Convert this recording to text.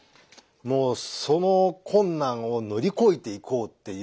もうその困難を乗り越えていこうっていう。